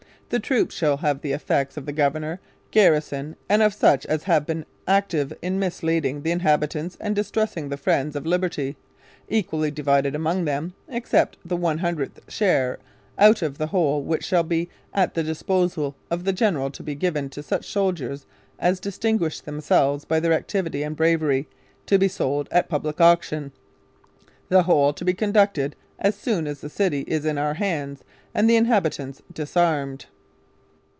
The Troops shall have the effects of the Governor, Garrison, & of such as have been active in misleading the Inhabitants & distressing the friends of liberty, equally divided among them, except the 100th share out of the whole, which shall be at the disposal of the General to be given to such soldiers as distinguished themselves by their activity & bravery, to be sold at public auction: the whole to be conducted as soon as the City is in our hands and the inhabitants disarmed.